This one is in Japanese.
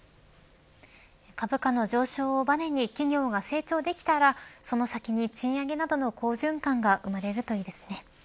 株価の上昇をばねに企業が成長できたらその先に賃上げなどの好循環が生まれるといいですね。